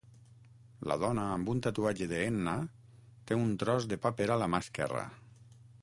La dona amb un tatuatge de henna té un tros de paper a la mà esquerra.